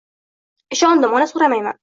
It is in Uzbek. Ishondim, ona, so'ramayman.